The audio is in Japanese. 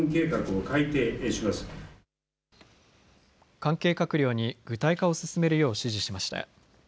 関係閣僚に具体化を進めるよう指示しました。